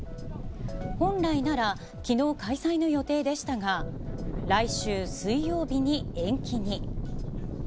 本来なら、きのう開催の予定でしたが、来週水曜日に延期に。